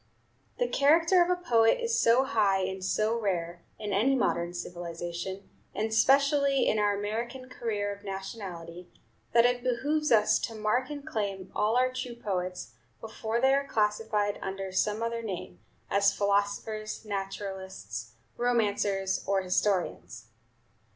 The character of poet is so high and so rare, in any modern civilization, and specially in our American career of nationality, that it behooves us to mark and claim all our true poets, before they are classified under some other name, as philosophers, naturalists, romancers, or historians.